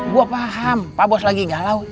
gue paham pak bos lagi galau